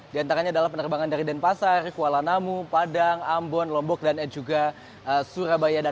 di antaranya adalah penerbangan dari denpasar kuala namu padang ambon lombok dan juga surabaya